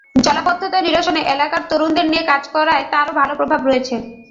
জলাবদ্ধতা নিরসনে এলাকার তরুণদের নিয়ে কাজ করায় তাঁরও ভালো প্রভাব রয়েছে।